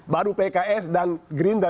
baru pks dan gerindra